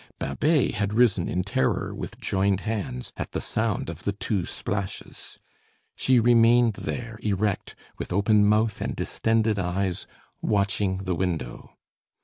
Babet had risen in terror, with joined hands, at the sound of the two splashes. She remained there, erect, with open mouth and distended eyes, watching the window.